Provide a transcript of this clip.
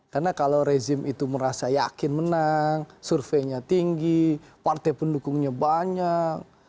karena kalau rezim itu merasa yakin menang surveinya tinggi partai pendukungnya banyak